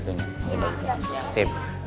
coba jualan tergitu ya